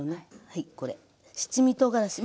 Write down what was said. はいこれ七味とうがらし。